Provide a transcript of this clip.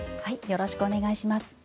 よろしくお願いします。